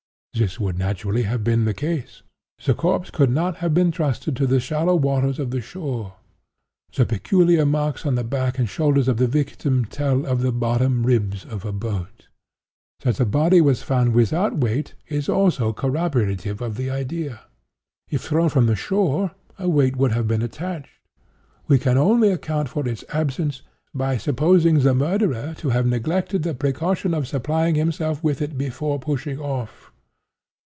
This would naturally have been the case. The corpse could not have been trusted to the shallow waters of the shore. The peculiar marks on the back and shoulders of the victim tell of the bottom ribs of a boat. That the body was found without weight is also corroborative of the idea. If thrown from the shore a weight would have been attached. We can only account for its absence by supposing the murderer to have neglected the precaution of supplying himself with it before pushing off.